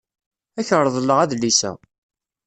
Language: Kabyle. Ad ak-reḍleɣ adlis-a.